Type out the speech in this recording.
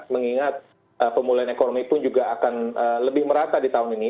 mengingat pemulihan ekonomi pun juga akan lebih merata di tahun ini